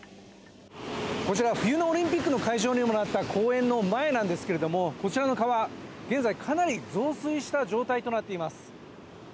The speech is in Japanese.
こちら、冬のオリンピックの会場にもなった公園の前なんですけどこちらの川、現在かなり増水した状態となっています。